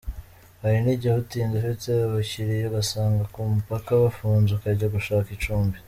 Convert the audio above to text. Hari n’igihe utinda ufite abakiriya ugasanga ku mupaka bafunze ukajya gushaka icumbi.